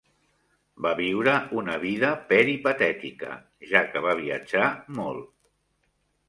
Va viure una vida peripatètica, ja que va viatjar molt.